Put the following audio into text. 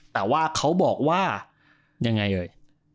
แต่ว่าเขาบอกว่ายังไงเลย